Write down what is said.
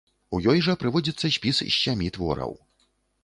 У ёй жа прыводзіцца спіс з сямі твораў.